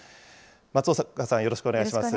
松岡さん、よろしくお願いします。